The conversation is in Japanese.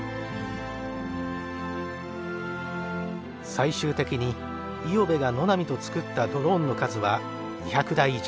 最終的に五百部が野波と作ったドローンの数は２００台以上。